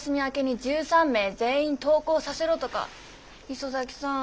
磯崎さん